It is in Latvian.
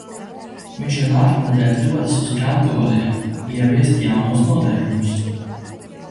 Viņš jau nākamnedēļ dodas uz kantoriem ieviest jaunos noteikumus.